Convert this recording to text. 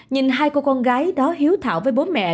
nhìn hai cô con gái đó hiếu thảo với bố mẹ